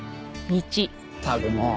ったくもう！